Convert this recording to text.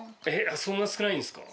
そんな少ないんですか。